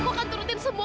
kamu akan turutin semua